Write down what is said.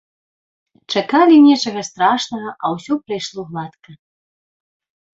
Чакалі нечага страшнага, а ўсё прайшло гладка.